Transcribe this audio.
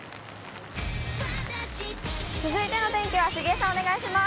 続いての天気は杉江さん、お願いします。